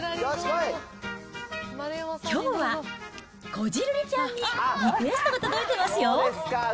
きょうはこじるりちゃんにリクエストが届いてますよ。